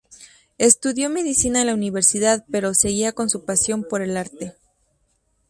Estudió medicina en la universidad, pero seguía con su pasión por el arte.